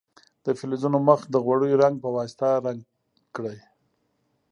د فلزونو مخ د غوړیو رنګ په واسطه رنګ کړئ.